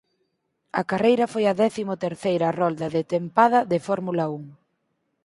A carreira foi a décimo terceira rolda da tempada de Fórmula Un.